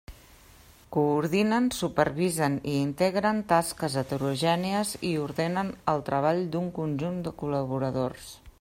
Coordinen, supervisen i integren tasques heterogènies i ordenen el treball d'un conjunt de col·laboradors.